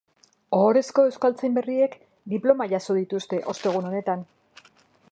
Ohorezko euskaltzain berriek diploma jaso dituzte ostegun honetan.